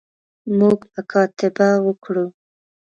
موږ مکاتبه وکړو.